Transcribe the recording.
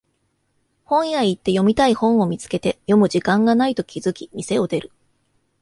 本屋行って読みたい本を見つけて読む時間がないと気づき店を出る